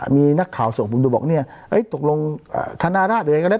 มีนักข่าวส่งไปบอกตกลงขนารหรืออะไรก็ได้เลย